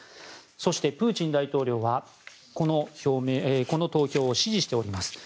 そして、プーチン大統領はこの投票を支持しております。